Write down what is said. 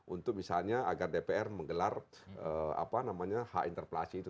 untuk misalnya agar dpr menggelar hak interpelasi itu